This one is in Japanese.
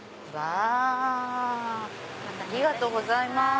ありがとうございます。